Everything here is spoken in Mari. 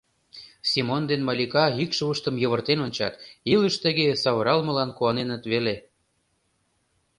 Семон ден Малика икшывыштым йывыртен ончат, илыш тыге савыралмылан куаненыт веле.